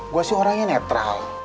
gue sih orangnya netral